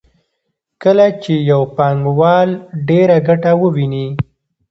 کله چې یو پانګوال ډېره ګټه وویني